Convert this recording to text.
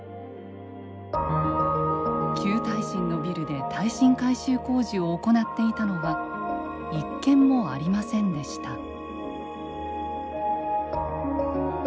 旧耐震のビルで耐震改修工事を行っていたのは一件もありませんでした。